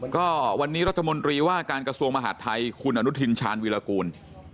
ก็วันนี้รัฐมนตรีว่าการกระทรวงมหาดไทยคุณอนุทินชาญวิรากูล